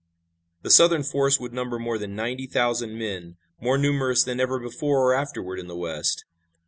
The Southern force would number more than ninety thousand men, more numerous than ever before or afterward in the West.